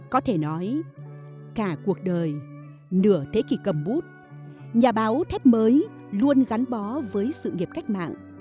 có thể nói cả cuộc đời nửa thế kỷ cầm bút nhà báo thép mới luôn gắn bó với sự nghiệp cách mạng